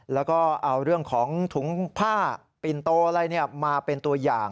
แล้วก็เอาเรื่องของถุงผ้าปิ่นโตอะไรมาเป็นตัวอย่าง